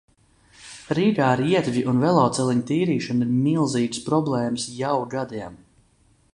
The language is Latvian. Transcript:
Rīgā ar ietvju un veloceliņu tīrīšanu ir milzīgas problēmas jau gadiem.